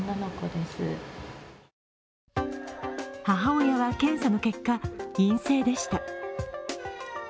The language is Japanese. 母親は検査の結果、陰性でした。